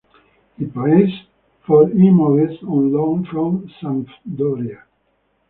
He plays for Imolese on loan from Sampdoria.